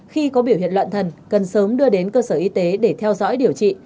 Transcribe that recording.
khi có biểu hiện loạn thần cần sớm đưa đến cơ sở y tế để theo dõi điều trị